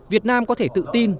việt nam có thể tự tin